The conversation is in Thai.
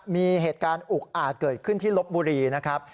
มีเหตุการณ์อุกอาจเกิดขึ้นที่ลบบุรีนะครับ